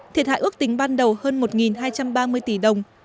thiệt hại ước tính ban đầu hơn một hai trăm ba mươi tỷ đồng